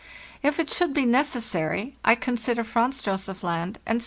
If it should be necessary, I consider Franz Josef Land and Spitz 1.